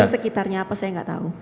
tapi sekitarnya apa saya tidak tahu